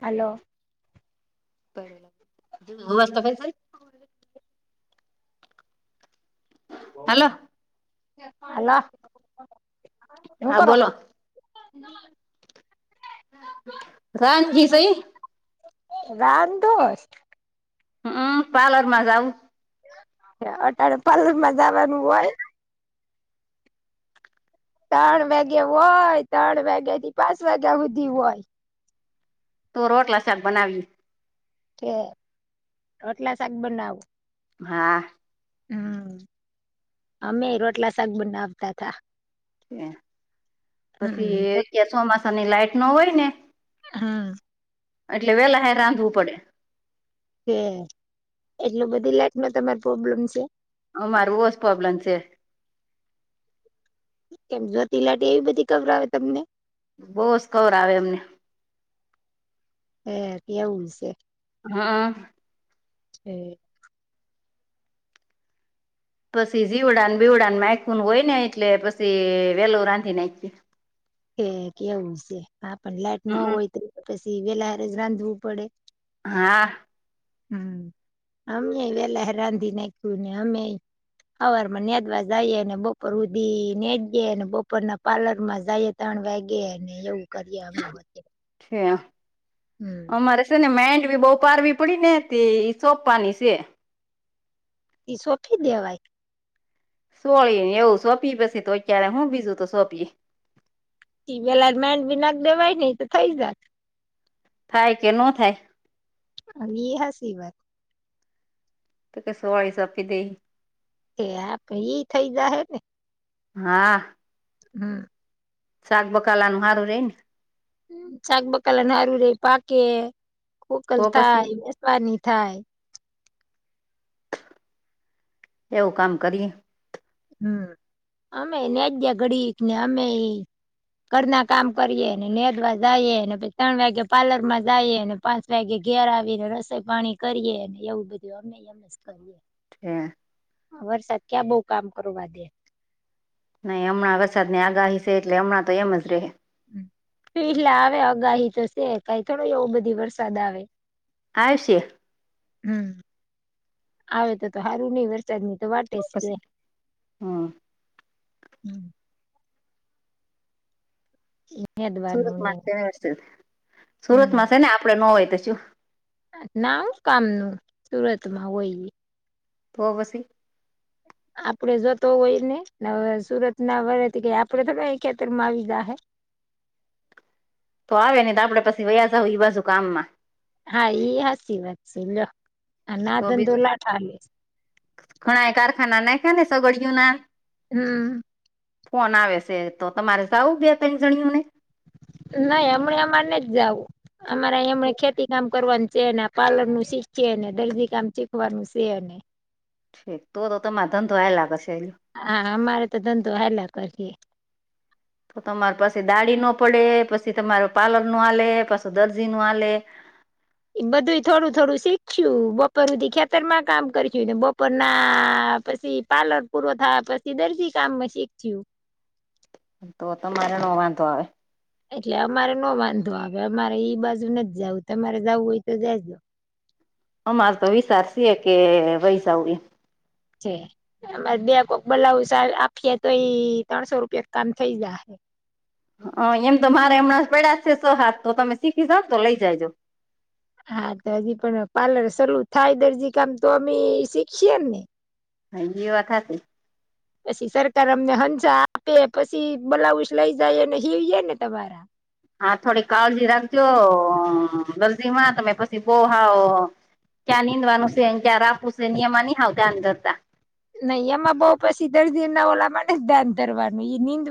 હાલો. ુંસ્ તો ફ [unintelligible] કોલે [unintelligible] હાલો. હાલો, હુ હા કરો? બોલો હમ [unintelligible] રાનજી સહી. રામ દોષ. હમ પાર્લર માં જાવું. અટાણે પાલર માં જવાનું હોય. ત્રણ વાગે હોય ત્રણ વાગ્યા થી પાંચ વાગ્યા સુધી હોય. તું રોટલા શાક બનાવી થેક રોટલા શાક બનાવું. હા. હમ, અમે રોટલા શાક બ નાવતા તા. પછી હમ અત્યારે ચોમાસાની લાઈટ ન હોય ને. હમ. એટલે વેલા હે રાંધવું પડે. કે એટલ બધી લાઈટમાં તમાર પ્રોબ્લેમ છે? અમારે [unintelligible] જ પ્રોબ્લેમ છે. કેમ જોતિલાટી એવી બધી ખબર આવે તમને? બહ જ સ્કોડ કવર આવે એમને. હ એવું છે. હ. હ. પછી જીવડાાન બીવડા માયખું હોય ને એટલે પછી વેલો રાંધી નાખ. થેક કેવું છે હા પણ લાઈટ ન હોય તો પછી વેલારે જ રાંધવું પડે. હા. હમ, અમે વેલા રાંધી નાખ્યું ને અમે અવાર માં ન્યાદવા જઈએ અને બપોર ઉધી નનેદય અને બપોરના પ્લર માં જાયએ. તણ વાેગેને એવું કરીએ અમે. ઠેઅક [unintelligible] હમ. અમારે છે ને માઇન્ડ બી બહુ પારવી પડી ને તે સોંપવાની છે. એ સોખી દેવાય. સોળી ને એવું સોંપી પછી તો ક્યારે હું બીજું તો સોંપીએ. વેલા મેડ બી નાખ દેવાય નહ તો થઈ જત. થાય કે નો થાય હ ઈ હાસી વાત. તો કે સવાળી સરપી દઈ એ આપે ઈ થઈ જા હે ને હા હમ. શાક બકાલાનું હારું રે ને શાકબકાલા ના આવી રે પાકે ખોકલ તો પછી થાય બેસવાની થાય એવું કામ કરીએ. હમ અમે ન્યાજ્યા ઘડી ને અમે ઈ ઘરના કામ કરીએ નેદવા જાઈએ અને પછી ત્રણ વાગે પાર્લર માં જાઈએ. પાંચ વાગે ઘેર આવીને રસોઈ પાણી કરીએે અને એવું બધું અમે અમે કરીએ. હમ વરસાદ ક્યાં બઉ કામ કરવા દે. નહી હમણાં વરસાદની આગાહી છે એટલે હમણાં તો એમ જ રે. એટલે આવે અગાહી તો છે કઈ થોડો એવ બધી વરસાદ આવે આવશે. હમ આવે તો તો હારું નહી ને. ચટણી તો વાટે સ કે. પછી હમ હમ [unintelligible] સુરત માતે હશે સુરતમાં છે ને આપડે નો હોય તો શું. નાવ કામનું સુરતમાં હોય ઈ. તો વસી. આપડે જતો હોય ને હવે સુરતના વરાથી ગઈ આપડે થ અ ખેતરમાં આવી દા હે. તો આવે નહી આપડે પછી વયા જઈ બાજુ કામમાં હા ઈ હાચી વાત છે લો આના ધંધો લાઠ હાલે. ઘણાય કારખાના નાખ્યાને સગળીયો ના. હમ. ફોન આવે છે તો તમારે જાવું બે ત્રણ જણીઓને નહી હમણાં અમારે નહીં જાવું અમારે એમ ખેતી કામ કરવાનું છે ને પાલૅર નું શીખયે ને દર્જી કામ શીખવાનું છે ને હવે. તો તો તમારે ધંધો હાલયા પછે. હા હા અમાર ધંધો હાલયા કરાયે. તો તમારે પાછી દાળીનો પડે પછી તમાર પાર્લરનો આલે પાછું દરજીનું આલે એ બધું થોડું થોડું શીખયુ બપોર હુધી ખેતરમાં કામ કરીયુ ને બપોરના પછી પાર્લર પૂરો થવા પછી દજી કામમાં શીખયું. તો તમારા મા વાંધો આવે. એટલે અમારે નો વાંધો આવે અમારે ઈ બાજુ નથી જવું તમારે જવું હોય તે જાય. અમારે તો વિચાર છે કે વયસાવડી. છે એમાં બે કોક બલાઉઝ અ આખીએ તઈ ત્રણસો રૂપિયા કામ થઈ જા હ એમ તો મારે હમણાં પેડા છે સો હાથ તો તમે શીખીશ જાવ તો લઇ જા જો. હા તો હજી પણ પાર્લર શરૂ થાય દરજી કામ તો અમે શીખીએ ને. હા ઇ એ વાત હાચી પછી સરકાર અમને હન્ચા આપે પછી બલાઉઝ લઈ જાયને હી હીહિવે તમારા. હા થોડી કાળજી રાખજો દરજીમાં તમે પછી બો હાવ. ક્યા નિંદવાનું છે ક્યાં રાફુસે નિયમની હાવ ધ્યા અન કરતા. નહી એમાં બઉ પછી દર્દીના ઓલામાં જ ધ્યાન કરવાનું નીંદ.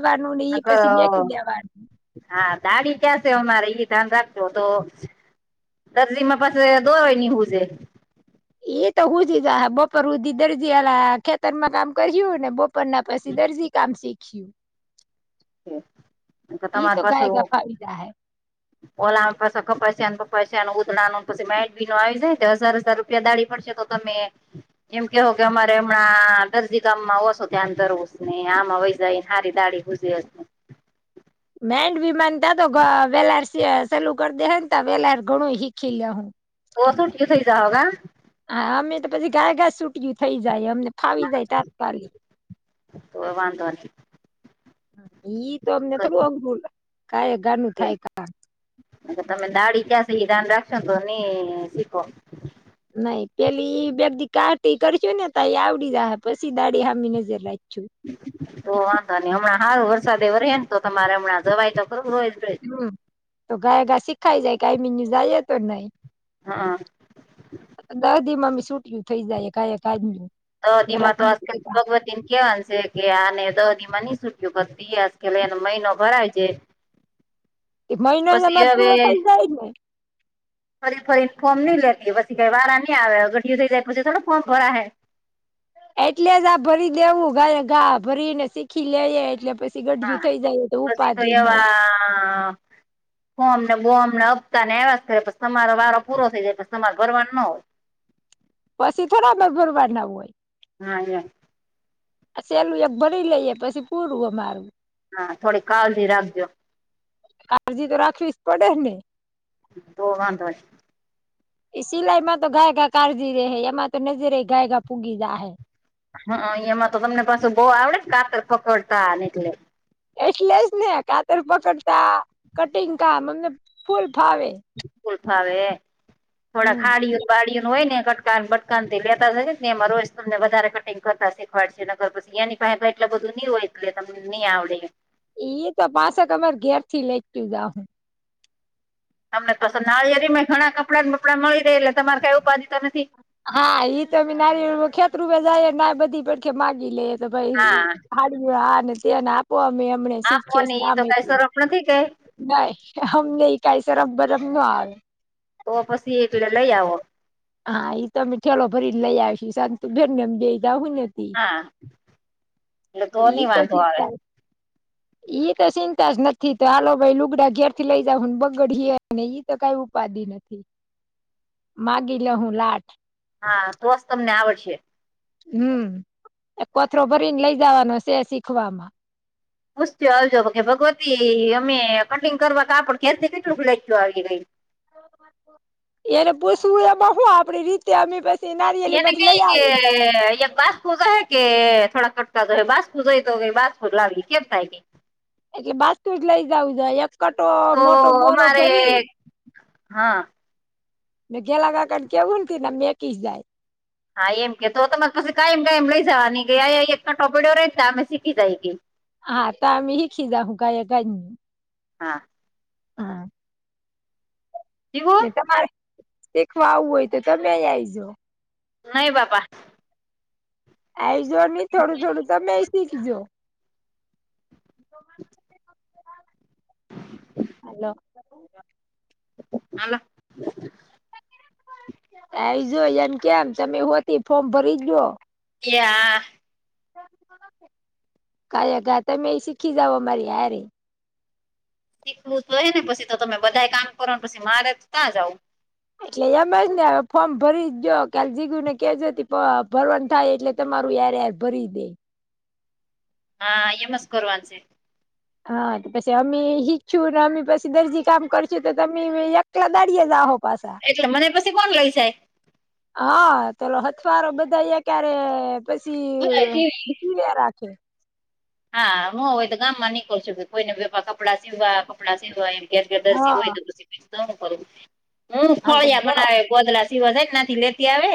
હા દાઢી ક્યાં છે અમારે એ ધ્યાન રાખજો તો દરજીમાં પાછું દોવાય નીવું છેે. એ તો હું જ બપો હદી દરજીલા ખેતરમાં કામ કર્યું ને બપ ના પછી દરજી કામ શીખ્યું. એ તો તમારે ગાય ગપાવીધા હે. ઓલા પાછ કપાસ્યા પપાસ અને ઉધડા ન પછી ડી નો આવી જાય હજાર હજાર રૂપિયા દાળી પડશે તો તો મે એમ કેહો કે અમારે હમણાં દરજી ગામમાં ઓછો ત્યાં તરવું ને આમાં વહી જાય હારી દાળી. બુજી [unintelligible] મેડમાન ત તો વેલાર સેલું કરી દે ત વેલાર ઘણું શીખી લેહું. બસઠી થઈ જઓગ [unintelligible] હા અમે તો પછી ગાય ગાસુ. ફ્રી થઈ જાય અમને ફાવી જાય તાત્કાલી. તો વાંધો નહી ઈ તો અમને થોડું અઘું ક એ ગનું થાય ક. અ તમે દાળી ક્યાં એ દાન રાખશો તો ની શીખો. નઈ પેલી બે દીકા કરશું ને ત એ આવડી જ પછી દાડી હામી નજર રાખ છું. તો વાંધો નહીં હમણાં હાવ વરસાદ એવો રહે ને તો તમારે હમણાં જવાય તો કર. હમ તો ગાય ઘા શીખાય જાય કઈ મિન્યુ જાય તો નહી. હા. દાદી મા બાઈક છૂટયું થઇ જાય કા ક આજું. તેમાં તો આજકાલ ભગવતી કેવાનછે. કે આને દદી માં નઈ સુૂટ્યું દ્યાસ કે એનો મહિનો ભરાય છે. એક પછી મહિનોમાર હવે પૂરો થઈ જાય જ ને. ફરી ફરીને ફોર્મ નઈ લે પછી કઈ વારા નહીં આવે ઘઢી થઈ જાય પછી થો ફોર્મ ભરા હે. એટલે જ આ ભરી દેવું ગા ગા ભરીને શીખી લેએ એટલે પી હા પછી તો, એવા બમ ને બોમ ને અપતા ને એવા જ કરે પછ તમારો વારો પૂરો થઈ જાય પછ તમારે ભરવાનું ના હોય. પછી થોડા આપડે ભરવા ના હોય. હા એ. સેલું એક ભરી લઈએ પછી પૂરું અમારું. હા થોડી કાળજી રાખજો. કાળજી તો રાખવી જ પડે ને. તો વાંધો નહીં. એ સિલાઈમાં તો ગાયગા કાળજી રહેે હ એમાં તો નજરે ગાયગા ભૂગી જાય હે. હા અ એમાં તો તમને પાસે બહુ આવડે ને કાતર પકડતા એટલે. એટલે જ ને કાતર પકડતા કટિંગ કામ અમને ફૂલ ફાવે. ફૂલ ફાવે, થોડા હમ ખાડીઓ બાડીઓ ન હોય ને કટકા બટ દુાનથી લેતા થ ને એમાં રોજ તમને વધારે કટિંગ કરતા શીખવાડ છે નગરી એની પાસે એટલા બધું નહી હોય. એટલે તમને નહી આવડે. એ તો પાસેક અમાર ઘેર થી લેતું જા હું. તમને પસંદ નડિયાદી ઘણા કપડાં બપડાં મળી રહેે એટ તમારે કઈ ઉપાધિ તો નથી. હા એ તો નારી ખેતરૂપે જાય ના બધી પડખે માગી લે. તો ભાઈ હા હાડ આ ને તેને આપો અમે એમને શીખીએ આપોને ઈ કામ તો કઈ એટલે. સરફ નથી કે નઈ હમ નઈ કઈ સરમ બરમ ન આવે. તો પછી એક [unintelligible] લઈ આવો. હા એ તો અમે ઠેલો ફરીને લઈ આવીશ શંતુભેન ને એમ બે જાહું ને ઈ હા એટલે ઈ નહી તો વાંધો આવે [unintelligible] ઈ તો ચિંતા જ નથી તો હાલો ભાઈ લુગડા ઘેર થી લઇ જાવ હને બગડ ને ઈ તો કઈ ઉપાધિ ન. થી માગી લે હું લાઠ હા તોજ તમને આવડશે. હમ્મ કોથરો ભરીને લઈ જવાનો છે શીખવામાં. પૂસત્યોં આવજો કે ભગવતી અમે કટિંગ કરવા કાપડ ઘેરથી કેટલું લખું આવી ગઈ. એને પૂછવું એમાં હું આપડી રીતે અમે [unintelligible] એને માંથી કઈ લઈ કે આવી [unintelligible] [unintelligible] હે કે થોડા કટકા ઘરે બાસ પૂજો એ તો હવે બાસ [unintelligible] કેમ થાય ની. એટલે બાસ તું જ લઈ જાવું જોય એક કટો તો મોટો બોરો અમારે ભરી હા મે ઘેલા કાકાને કેવુંન ને ના મેકી જાય. હા એમ કે તો હુતો મે પછી કાયમ કઈ લઈ જવાની ગઈ આ એક ટો [unintelligible] રહીને અમે શીખી જાયેગી. હા તો હમે હીકી જહુ [unintelligible] હા. હા. એવું કે તમારે શીખવા આવું હોય તો તમે આઈજો. નહી બાપા. આઈજો નહી થોડું થોડું તમેય શીખજો. [inaudible] [inaudible] હાલો. [inaudible] હલો. આઈ જો એમ કેમ તમે હોતી ફોર્મ ભરીજો. એ હા કાલે કા તમે એ શીખી જાવો અમારી હરી. શીખવું તોય હે ને પછી તો તમે બધા કામ કરો ને પછી મારે ત્યાં જાવું? એટલે એમ જ ને ફોર્મ ભરી દયો કાલે જીગું ને કેજતી ભરવાનું થાય એટલે તમારું યારે ભરી દે. હા એમ જ કરવાનું છે. હા પછી અમે હિખછું ને અમે પછી દરજી કામ કરશું તો તમે [unintelligible] કેટલા દાઢીએ જહો પાછા? એટલે મને પછી કોણ લઈ જાય? હા તો લો હથવારો બધા યે ક્યારે પછી બધા ટીવી ની રાખે. હા હું હોય તો ગામ માં નીકળ છું કે કોઈ ને બધા કપડાં સીવવા કપડાં સીવા એમ. કેમકે દરજી હા હોય તો તું શીખવીશ તો હું કરું હું કરું તમે યાર મને હવે ગોદલા સીવવા જાય ના થી લેતી આવે.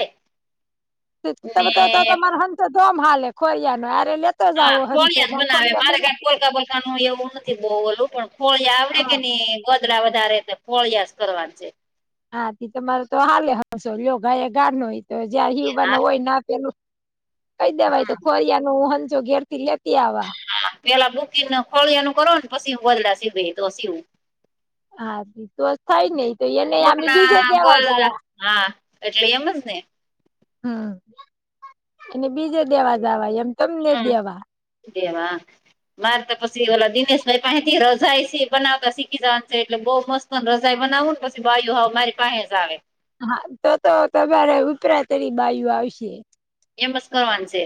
ને [unintelligible] હા હંસો ફોળિયા જ ના બનાવે ખોરિયા મારે બને કઈ કોઈકા કોઈક કનું એવું નથી બહુ ઓલું પણ ફોળિયા આવડે કે હા નઈ? ગદડા વધારે ફળિયાસ કરવા છે. હા તમારે તો હાલે હશો લો ગ એ ગા નય તો જયારે હયવા ન હા હોય ના પેલું કઈ દેવાય હા તો ખોરિયા નો હંચો ઘેર થી લેતી આવા. હા પેલા બુકીને ખોળિયાનું કરો ને પછી ગોદલા સીવી તો સીવું. હા તોસ થાય નહિ તો એને કોક અમે બીજે ના દેવા ગોદડા જવા. હા એટલે એમજ ને. હમ્મ અને બીજે દેવા જવાય એમ તમને દેવા. દેવા. માર તો પછી ઓલા દિનેશભાઈ પાથી રજાય છે બનાવતા શીખી જવાનું છે એટલે બહુ મસ્ત રજાઈ બનાવું ને પછી બાયું હવુ મારી પાસે જ આવે. હા તો તો તમારે ઉપરાતરી બાયુ આવશે. એમજ કરવાન છે.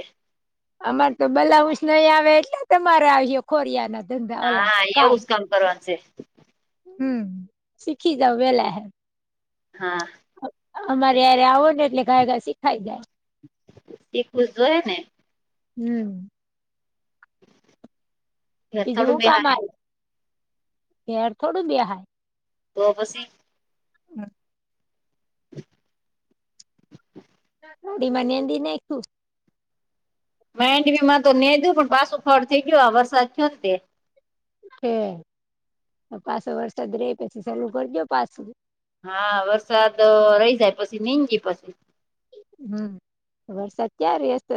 અમાર તો બલાઉજ નહી આવે એટલે તમારે આવસે. કોરિયાના ધંધા ઓલા હા કામ એવું જ કરવાનું છે હમ્મ શીખી જાવ વેહલા. હા. અમારે હારે આવો ને એટલે ઘાઘરા શીખાય જાય. શીખવું તો જોઈએ ને. હમ્મ. ઘેર બીજું થોડું હું કામ બેહાય આયુ ઘેર થોડું બેહાય? તો પછી? [inaudible] [unintelligible] માંડવીમાં તો નેધું પણ પાછું ફળ થઈ ગયયો આ વરસાદ થયો ને તે. છે પાછો વરસાદ રે પછી ચાલુ કરજો પાછું. હા વરસાદ રહી જાય પછી નેગી પછી. હમ વરસાદ ક્યા રે છે.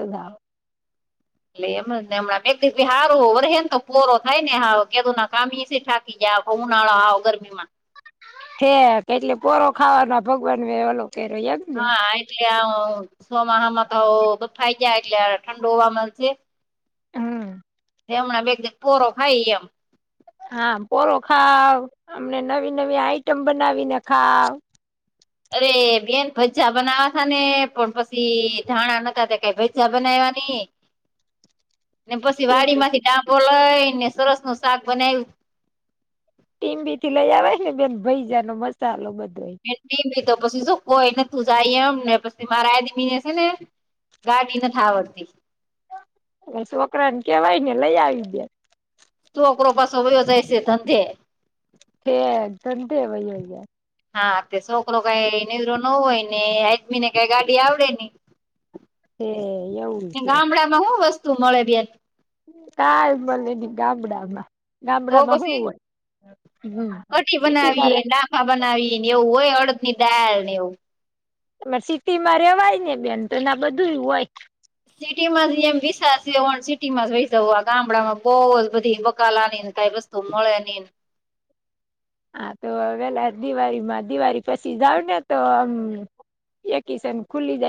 એટલે એમ ને હમણાં બે ભી સારું વર્હેને તો પરો થાય ને હારો કેદુ ના કામ. બીજા ઉનાળો આવ ગરમીમાં કે એટલે પોરો ખાવાના ભગવાન એલો કર્યો એમ. ને. હા એટલે સોમાહામાં તો બફાઇ જાય એટલે ઠંડુ હોવા મળશે. હમ હમણાં બે દ પોરો ખાઈ લેયો. હા પોરો ખાવ અમને નવી નવી આઈટમ બનાવીને ખાવ અરે બેન ભજા બનાવા તા ને પણ પછી ધાણા નતા કઈ ભ ચાબનાવાની [inaudible] ને પછી વાડી ટીમ્બી માંથી ડાંબો લઈ ને સરસ નું શાક બનાવ્યું. ટીમબી થી લઈ આવેય ને બેન ભૈજા નો મસાલો બધવાય નઈ તો પછી શું કોઈ તું જાય એમ ને પછી મારા આ દીમીને છે ને ગાડી ના થ આવડતી હ છોકરા ને કેવાય ને લઈ આવી ગયા તું અકરો પાસો વયો જાય છે ધંધે તે ઘઘો વયો જાય હા તે છોકરો કઈ નનીવરો ન હોય ને હજમી ને કઈ ગાડી આવડે ને તે એવું છે. માં હું વસ્તુ મળે બેન. કાલ મળલે ગાબડા માં. તો ગામડામાં હું પછી હોય સિટી મા રે બનાવી ને એવું હોય અડદ ની દાળ ને એવું. સિટી માં રેવાય ને બેન તો એના બધું હોય. સિટીમાંમ વિસ સિટી માં જ ગામડામાં બહુ જ બધી બકાલાનીને કાઇ વસ્ તું મળે નહીં ન. હા તો વેલા દિવાળીમાં દિવાળી પછી જાવ ને તો આમ, એકીસન ખુલી જાય.